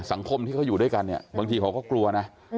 สังคมที่เขาอยู่ด้วยกันเนี่ยบางทีเขาก็กลัวนะ